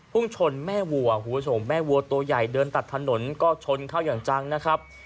ชนแม่วัวคุณผู้ชมแม่วัวตัวใหญ่เดินตัดถนนก็ชนเข้าอย่างจังนะครับ